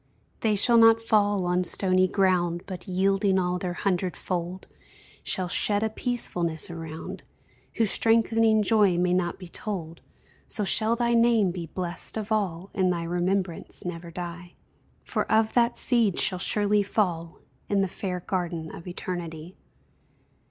They shall not fall on stony ground, But, yielding all their hundred fold, Shall shed a peacefulness around, Whose strengthening joy may not be told, So shall thy name be blest of all, And thy remembrance never die; For of that seed shall surely fall In the fair garden of Eternity.